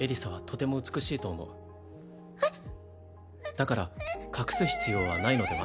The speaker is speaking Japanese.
だから隠す必要はないのでは？